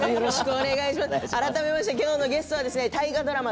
改めまして今日のゲストは大河ドラマ